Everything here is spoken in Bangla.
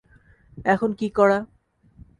এখন কী করা?